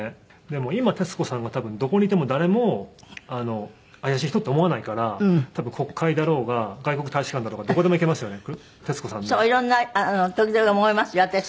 でも今徹子さんが多分どこにいても誰も怪しい人って思わないから多分国会だろうが外国大使館だろうがどこでも行けますよね。